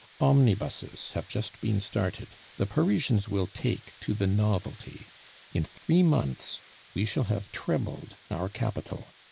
Omnibuses have just been started; the Parisians will take to the novelty; in three months we shall have trebled our capital.